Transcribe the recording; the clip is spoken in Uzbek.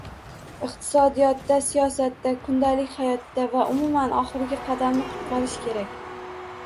Iqtisodiyotda, siyosatda, kundalik hayotda va umuman oxirgi qadamni qutqarish kerak